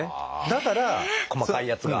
だから細かいやつが。